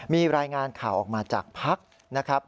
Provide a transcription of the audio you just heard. มีรายงานข่าวออกมาจากภักดิ์นะครับ